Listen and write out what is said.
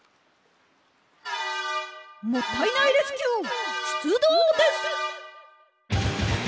もったいないレスキューしゅつどうです！